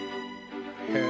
へえ。